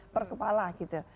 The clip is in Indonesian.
per kepala gitu